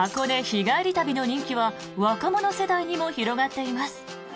日帰り旅の人気は若者世代にも広がっています。